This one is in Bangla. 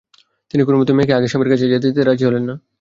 তিনি কোনোমতেই মেয়েকে আগের স্বামীর কাছে যেতে দিতে রাজি ছিলেন না।